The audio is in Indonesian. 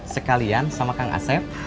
sekalian sama kang asep